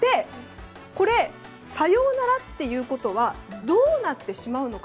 これ、さようならということはどうなってしまうのか